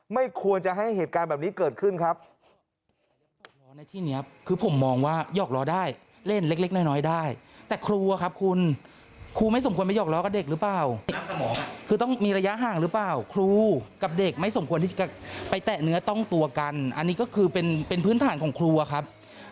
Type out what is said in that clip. ไม่ควรจะให้เหตุการณ์แบบนี้เกิดขึ้นครับ